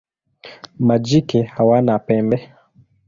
Majike hawana pembe.